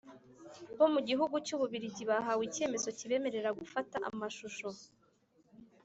Bo mu gihugu cy ububiligi bahawe icyemezo kibemerera gufata amashusho